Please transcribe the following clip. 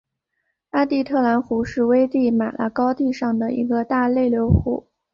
阿蒂特兰湖是危地马拉高地上的一个大内流湖。